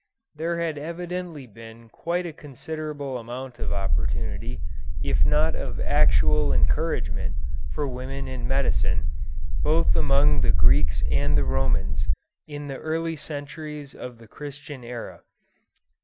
There had evidently been quite a considerable amount of opportunity, if not of actual encouragement, for women in medicine, both among the Greeks and the Romans, in the early centuries of the Christian era.